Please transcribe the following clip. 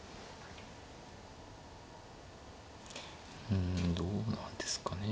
うんどうなんですかね。